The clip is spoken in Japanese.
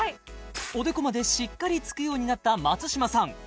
おでこまでしっかりつくようになった松嶋さん